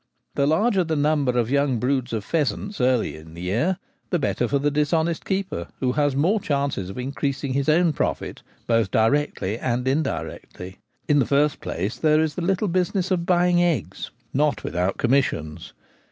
The larger the number of young broods of pheasants early in the year the better for the dishonest keeper, who has more chances of in P 2 io The Gamekeeper at Home. creasing his own profit, both directly and indirectly. Iii the first place, there is the little business of buying eggs, not without commissions.